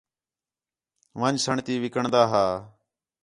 ون٘ڄ سݨ تی وِکݨدا ہا